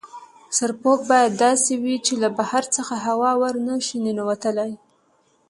سرپوښ باید داسې وي چې له بهر څخه هوا ور نه شي ننوتلای.